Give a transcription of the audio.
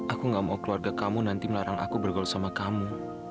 aku gak mau keluarga kamu nanti melarang aku bergaul sama kamu